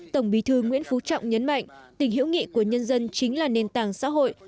tổng bí thư nguyễn phú trọng nhấn mạnh tình hiểu nghị của nhân dân chính là nền tảng xã hội